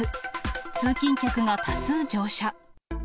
通勤客が多数乗車。